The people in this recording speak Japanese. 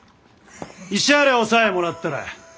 慰謝料さえもらったら。